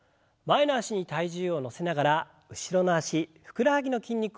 前の脚に体重を乗せながら後ろの脚ふくらはぎの筋肉を伸ばします。